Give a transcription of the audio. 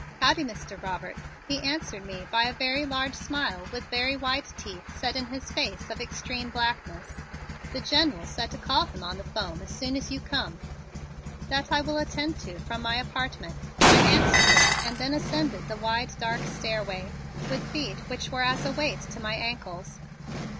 "Howdy, Mr. Robert," he answered me by a very large smile with very white teeth set in his face of extreme blackness. "The Gen'l said to call him on the 'fome as soon as you come." "That I will attend to from my apartment," I answered him and then ascended the wide dark stairway with feet which were as a weight to my ankles.